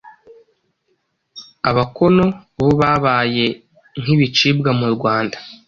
Abakono bo babaye nk’ibicibwa mu Rwanda